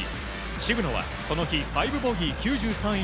渋野はこの日５ボギー９３位